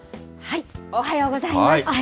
おはようございます。